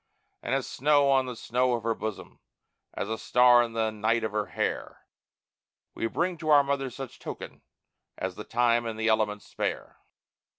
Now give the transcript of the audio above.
And as snow on the snow of Her bosom, as a star in the night of Her hair, We bring to our Mother such token as the time and the elements spare.